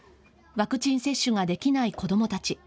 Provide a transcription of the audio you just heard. ワクチン接種ができない子どもたち。